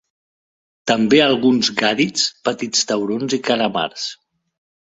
També alguns gàdids, petits taurons i calamars.